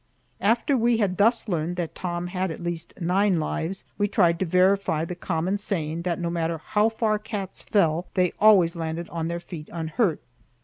After we had thus learned that Tom had at least nine lives, we tried to verify the common saying that no matter how far cats fell they always landed on their feet unhurt.